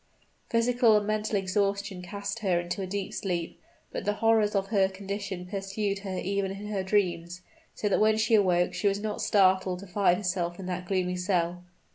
Physical and mental exhaustion cast her into a deep sleep; but the horrors of her condition pursued her even in her dreams; so that when she awoke she was not startled to find herself in that gloomy cell.